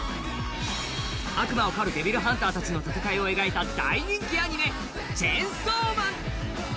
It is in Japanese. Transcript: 悪魔を狩るデビルハンターたちの戦いを描いた大人気アニメ「チェンソーマン」。